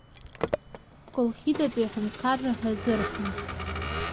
Колхидатәи аҳәынҭқарра ҳәа азырҳәон…